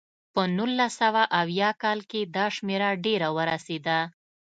په نولس سوه اویا کال کې دا شمېره ډېره ورسېده.